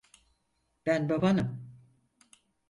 Ben babanım.